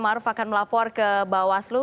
maruf akan melapor ke bawaslu